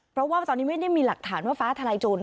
เพราะว่าตอนนี้ไม่ได้มีหลักฐานว่าฟ้าทลายโจร